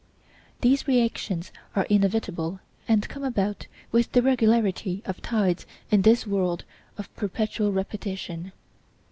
These reactions are inevitable, and come about with the regularity of tides in this world of perpetual repetition.